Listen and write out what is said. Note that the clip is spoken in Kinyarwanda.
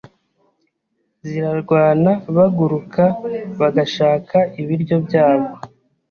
zirarwanabaguruka bagashaka ibiryo byabo